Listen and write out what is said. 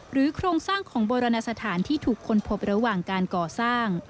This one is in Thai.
โครงสร้างของโบราณสถานที่ถูกค้นพบระหว่างการก่อสร้าง